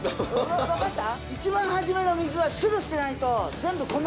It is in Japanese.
一番初めの水はすぐ捨てないと全部。